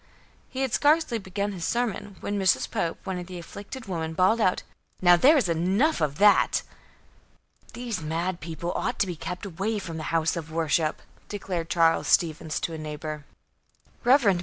He had scarcely begun his sermon, when Mrs. Pope, one of the afflicted women, bawled out: "Now, there is enough of that." "These mad people ought to be kept away from the house of worship," declared Charles Stevens to a neighbor. Rev. Mr.